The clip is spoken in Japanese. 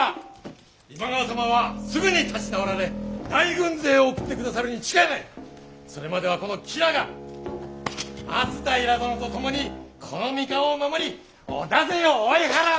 今川様はすぐに立ち直られ大軍勢を送ってくださるに違いない！それまではこの吉良が松平殿と共にこの三河を守り織田勢を追い払う！